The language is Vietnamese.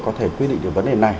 có thể quy định được vấn đề này